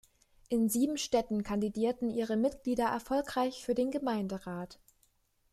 In sieben Städten kandidierten ihre Mitglieder erfolgreich für den Gemeinderat.